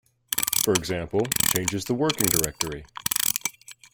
For example, changes the working directory.